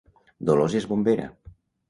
Dolors és bombera